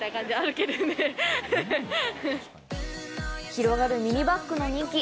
広がるミニバッグの人気。